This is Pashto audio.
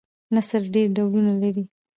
نثر ډېر ډولونه لري.